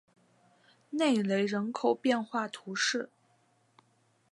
内雷人口变化图示